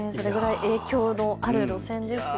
影響のある路線ですね。